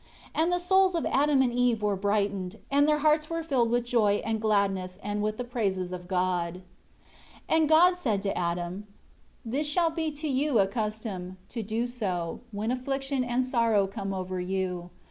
15 And the souls of Adam and Eve were brightened, and their hearts were filled with joy and gladness and with the praises of God. 16 And God said to Adam, "This shall be to you a custom, to do so, when affliction and sorrow come over you.